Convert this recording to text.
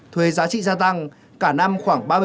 thuế giá trị gia tăng cả năm khoảng